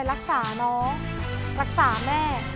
ขอบคุณครับ